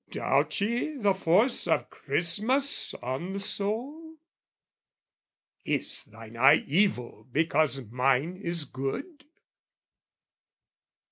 Doubt ye the force of Christmas on the soul? "Is thine eye evil because mine is good?"